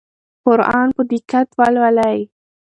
قرآن په دقت ولولئ.